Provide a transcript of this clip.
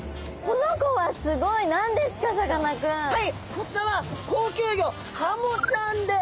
こちらは高級魚ハモちゃんです！